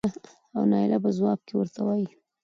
او نايله په ځواب کې ورته وايې